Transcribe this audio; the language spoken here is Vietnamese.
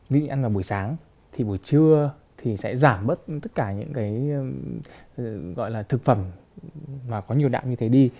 ví dụ như ăn vào buổi sáng thì buổi trưa thì sẽ giảm bớt tất cả những cái gọi là thực phẩm mà có nhiều đạm như thế đi